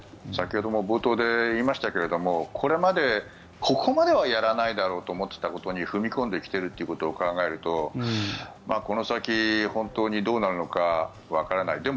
先ほども冒頭で言いましたけどもこれまでここまではやらないだろうと思っていたことに踏み込んできているということを考えるとこの先、本当にどうなるのかわからない。